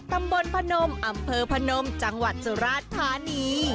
ตำบลพนมอำเภอพนมจังหวัดสุราชธานี